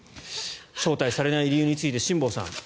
招待されない理由について辛坊さん。